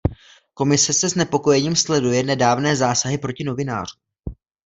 Komise se znepokojením sleduje nedávné zásahy proti novinářům.